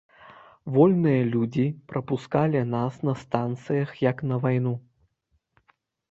Вольныя людзі прапускалі нас на станцыях як на вайну.